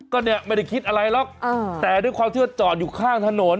ก็เนี่ยไม่ได้คิดอะไรหรอกแต่ด้วยความที่ว่าจอดอยู่ข้างถนน